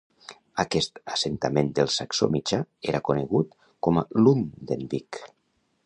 Aquest assentament del saxó mitjà era conegut com a Lundenwic.